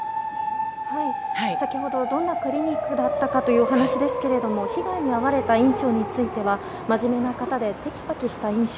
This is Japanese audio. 先ほどどんなクリニックだったかというお話ですが被害に遭われた院長については真面目な方でてきぱきした印象。